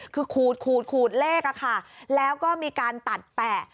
คือขูดขูดเลขแล้วก็มีการตัดแปะ